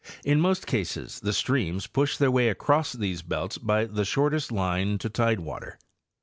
In most cases the streams pushed their way across these belts by the shortest line to tidewater.